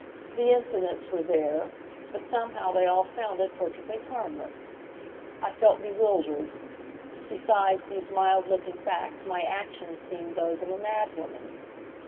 The incidents were there, but somehow they all sounded perfectly harmless. I felt bewildered. Beside these mild looking facts my actions seemed those of a madwoman.